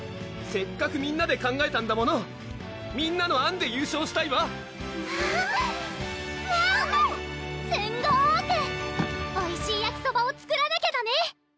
せっかくみんなで考えたんだものみんなの案で優勝したいわすんごくおいしいやきそばを作らなきゃだね！